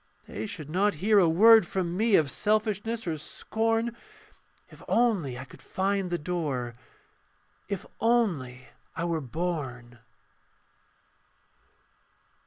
They should not hear a word from me Of selfishness or scorn, If only I could find the door, If only I were born.